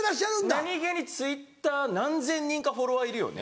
何げにＴｗｉｔｔｅｒ何千人かフォロワーいるよね。